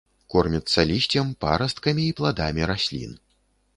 Корміцца лісцем, парасткамі і пладамі раслін.